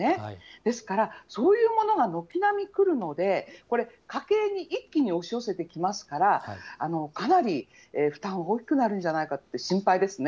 ですから、そういうものが軒並みくるので、これ、家計に一気に押し寄せてきますから、かなり負担、大きくなるんじゃないかって心配ですね。